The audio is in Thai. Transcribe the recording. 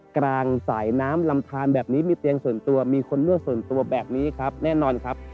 กลางสายน้ำลำทานแบบนี้มีเตียงส่วนตัวมีคนนวดส่วนตัวแบบนี้ครับแน่นอนครับ